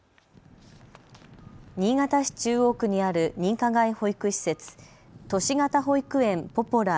新潟市中央区にある認可外保育施設、都市型保育園ポポラー